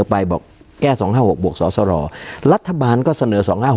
การแสดงความคิดเห็น